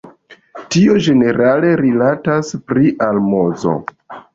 Tio ĝenerale rilatas pri almozo.